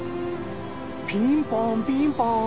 ピンポーンピンポーン。